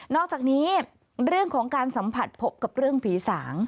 อกจากนี้เรื่องของการสัมผัสพบกับเรื่องผีสาง